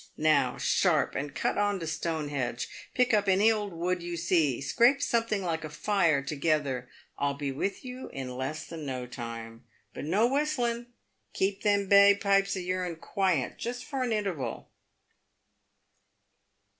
Now, sharp, and cut on to Stonehenge. Pick up any old wood you see — scrape something like a fire together ; I'll be with you in less than no time. But, no whistlin*. Keep them bag pipes o' your'n quiet, just for an interval."